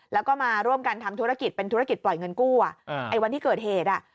แล้วก็มาร่วมกันทำธุรกิจเป็นธุรกิจปล่อยเงินกู้อ่ะไอ้วันที่เกิดเหตุอ่ะ